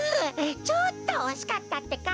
ちょっとおしかったってか。